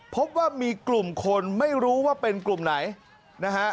พบว่ามีกลุ่มคนไม่รู้ว่าเป็นกลุ่มไหนนะฮะ